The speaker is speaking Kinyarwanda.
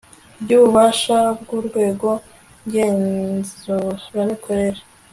ry ububasha bw urwego ngenzuramikorere